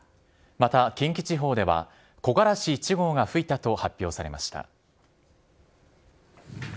また近畿地方では、木枯らし１号が吹いたと発表されました。